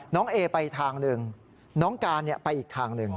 เอไปทางหนึ่งน้องการไปอีกทางหนึ่ง